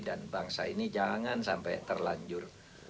dan bangsa ini jangan sampai terlanjur